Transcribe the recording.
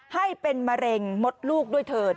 ให้เป็นมะเร็งมดลูกด้วยเถิด